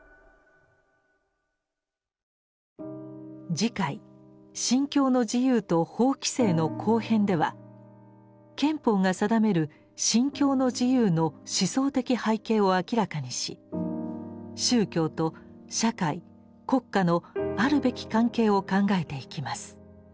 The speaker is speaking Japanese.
次回「『信教の自由』と法規制」の後編では憲法が定める「信教の自由」の思想的背景を明らかにし宗教と社会国家のあるべき関係を考えていきます。